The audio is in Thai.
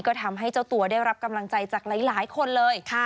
ก็ทำให้เจ้าตัวได้รับกำลังใจจากหลายคนเลย